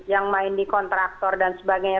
yang main di kontraktor dan sebagainya